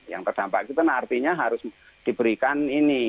yang terdampak itu kan artinya harus diberikan ini